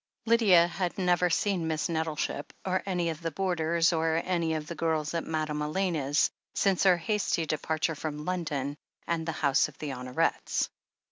Lydia had never seen Miss Nettleship, or any of the boarders, or any of the girls at Madame^ Elena's, since her hasty departure from London and the house of the Honorets.